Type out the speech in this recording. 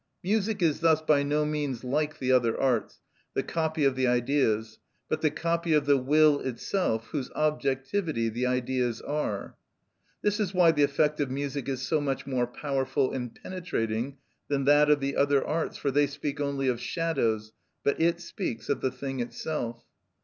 Music is thus by no means like the other arts, the copy of the Ideas, but the copy of the will itself, whose objectivity the Ideas are. This is why the effect of music is so much more powerful and penetrating than that of the other arts, for they speak only of shadows, but it speaks of the thing itself.